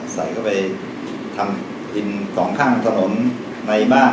ใส่เข้าไปทำกินสองข้างถนนในบ้าน